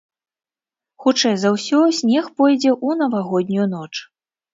Хутчэй за ўсё, снег пойдзе ў навагоднюю ноч.